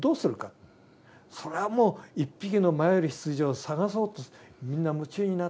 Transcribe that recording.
それはもう１匹の迷える羊を捜そうとみんな夢中になって。